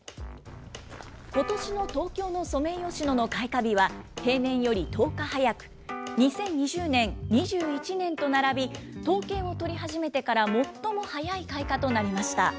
ことしの東京のソメイヨシノの開花日は平年より１０日早く、２０２０年、２１年と並び、統計を取り始めてから最も早い開花となりました。